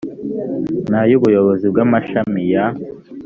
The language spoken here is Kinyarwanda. n ay ubuyobozi bw amashami ya